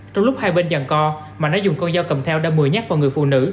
trong lúc hai bên giàn co mạnh đã dùng con dâu cầm theo đâm mười nhát vào người phụ nữ